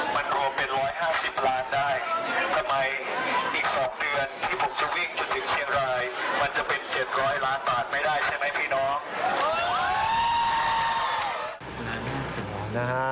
มันจะเป็น๗๐๐ล้านบาทไม่ได้ใช่ไหมพี่น้อง